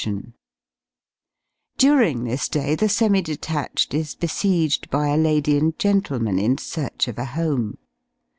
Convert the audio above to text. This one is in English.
During this day the semi detached is besieged by a lady and gentleman in search of a home.